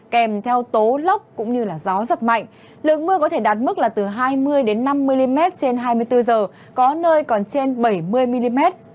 kèm theo tố lốc cũng như gió giật mạnh lượng mưa có thể đạt mức là từ hai mươi năm mm trên hai mươi bốn h có nơi còn trên bảy mươi mm